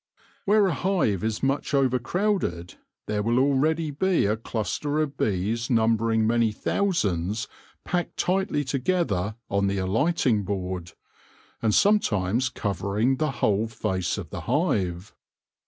Where a hive is much over crowded there will already be a cluster of bees num bering many thousands packed tightly together on the alighting board, and sometimes covering the whole face of the hive.